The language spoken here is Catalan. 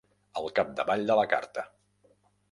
Al capdavall de la carta.